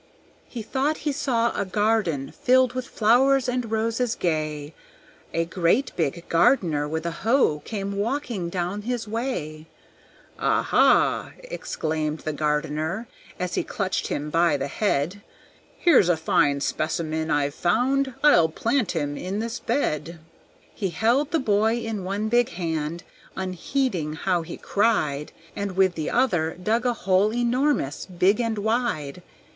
He thought he saw a garden filled with flowers and roses gay, A great big gardener with a hoe came walking down his way; "Ah, ha!" exclaimed the gardener, as he clutched him by the head, "Here's a fine specimen I've found; I'll plant him in this bed!" He held the boy in one big hand, unheeding how he cried, And with the other dug a hole enormous, deep, and wide.